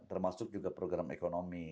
termasuk juga program ekonomi